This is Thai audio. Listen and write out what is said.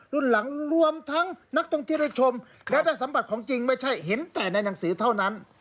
หลังรวมทั้งนักท่องเที่ยวได้ชมและได้สัมผัสของจริงไม่ใช่เห็นแต่ในหนังสือเท่านั้น